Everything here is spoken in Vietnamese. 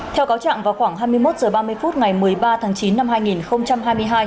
theo cáo trạng vào khoảng hai mươi một h ba mươi phút ngày một mươi ba tháng chín năm hai nghìn hai mươi hai